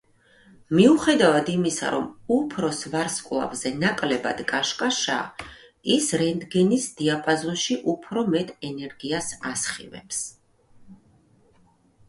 მიუხედავად იმისა, რომ უფროს ვარსკვლავზე ნაკლებად კაშკაშაა, ის რენტგენის დიაპაზონში უფრო მეტ ენერგიას ასხივებს.